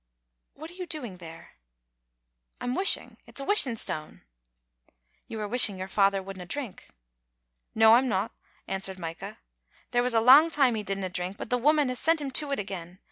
" "What are you doing there?" " I'm wishing. It's a wishing stane." " You are wishing your father wouldna drink. "" No, I'm no," answered Micah. " There was a lang time he didna drink, but the woman has sent him to it again.